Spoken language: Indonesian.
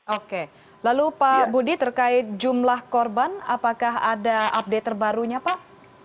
oke lalu pak budi terkait jumlah korban apakah ada update terbarunya pak